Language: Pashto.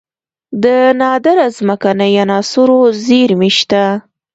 د نادره ځمکنۍ عناصرو زیرمې شته